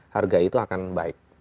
harga itu akan baik